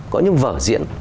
có những vở diễn